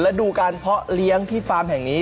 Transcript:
และดูการเพาะเลี้ยงที่ฟาร์มแห่งนี้